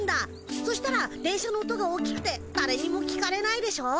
そしたら電車の音が大きくてだれにも聞かれないでしょ。